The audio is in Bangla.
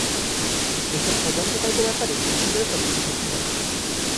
এ সব ষড়যন্ত্রকারীদের ব্যাপারে প্রবাসীদেরও সচেতন থাকতে হবে।